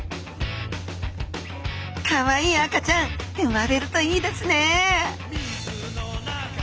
かわいい赤ちゃんうまれるといいですね！